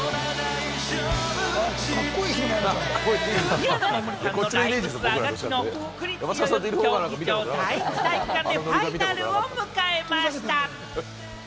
宮野真守さんのライブツアーがきのう国立代々木競技場第一体育館でファイナルを迎えました。